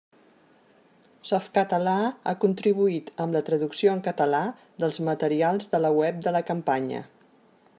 Softcatalà ha contribuït amb la traducció en català dels materials de la web de la campanya.